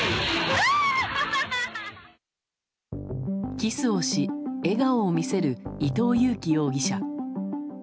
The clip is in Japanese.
キスをし、笑顔を見せる伊藤裕樹容疑者。